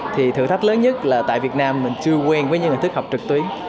thì thử thách lớn nhất là tại việt nam mình chưa quen với những hình thức học trực tuyến